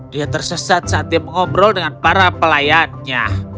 dia tersesat saat dia mengobrol dengan para pelayannya